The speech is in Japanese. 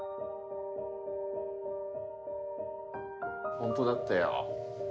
本当だったよ。